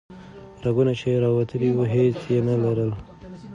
رګونه چې راوتلي وو هیڅ یې نه لرل.